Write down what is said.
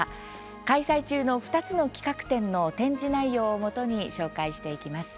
開催中の２つの企画展の展示内容をもとに紹介していきます。